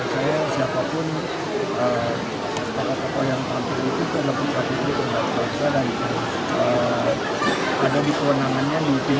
saya siapapun para papu yang terhampir itu terlebih lebih terhadap saya dan ada di kewenangannya di pdu ini